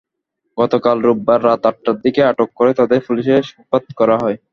গতকাল রোববার রাত আটটার দিকে আটক করে তাদের পুলিশে সোপর্দ করা হয়।